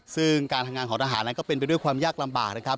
ซึ่งการทำงานของทหารนั้นก็เป็นไปด้วยความยากลำบากนะครับ